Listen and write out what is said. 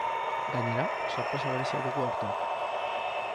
Gainera, sorpresa berezia dugu aurten.